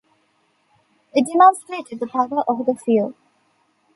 It demonstrated the power of the few.